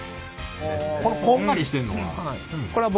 このこんがりしてんのは？